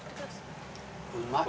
うまい。